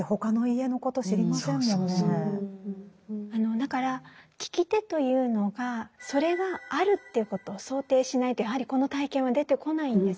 だから聞き手というのがそれがあるということを想定しないとやはりこの体験は出てこないんです。